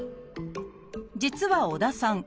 実は織田さん